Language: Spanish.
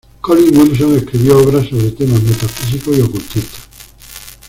Colin Wilson escribió obras sobre temas metafísicos y ocultistas.